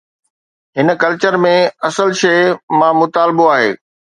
هن ڪلچر ۾ اصل شيءِ ”مان مطالبو“ آهي.